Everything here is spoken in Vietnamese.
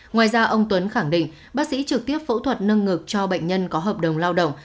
ngoài ra ông tuấn khẳng định bác sĩ trực tiếp phẫu thuật nâng ngực cho bệnh nhân có hợp đồng lao động